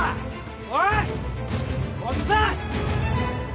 おいっおっさん！